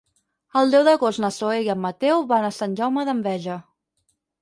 El deu d'agost na Zoè i en Mateu van a Sant Jaume d'Enveja.